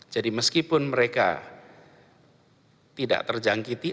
jadi meskipun mereka tidak terjangkiti